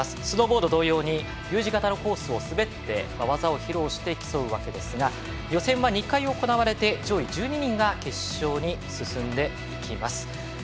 スノーボード同様にＵ字型のコースを滑って技を披露して競うわけですが予選は２回行われて上位１２人が決勝に進んでいきます。